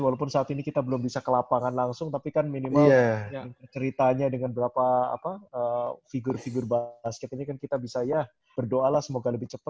walaupun saat ini kita belum bisa ke lapangan langsung tapi kan minimal yang ceritanya dengan berapa figur figur basket ini kan kita bisa ya berdoa lah semoga lebih cepat